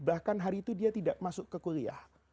bahkan hari itu dia tidak masuk ke kuliah